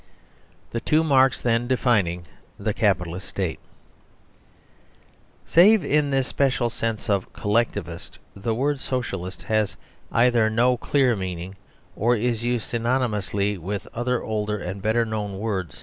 The two marks, then, defining the Capitalist State * Save in this special sense of " Collectivist," the word " So cialist " has either no clear meaning, or is used synonymously with other older and better known words.